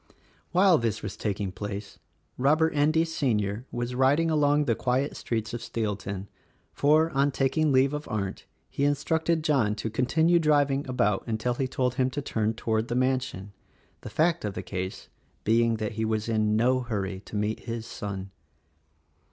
While this was taking place, Robert Endy, Sr., was riding along the quiet streets of Steelton, for, on taking leave of Arndt he instructed John to continue driving about until he told him to turn toward the mansion; the fact of the case being that he was in no hurry to meet his son.